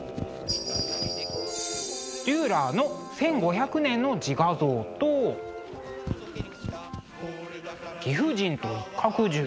デューラーの「１５００年の自画像」と「貴婦人と一角獣」。